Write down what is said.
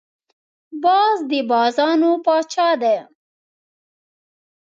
باز د بازانو پاچا دی